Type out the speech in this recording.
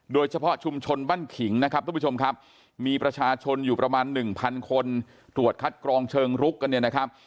โดยเฉพาะชุมชนบ้านขิงที่มีประชาชนอยู่ประมาณ๑๐๐๐คนถ้วตคัดกรองจนรุก